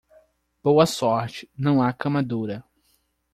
Boa sorte, não há cama dura.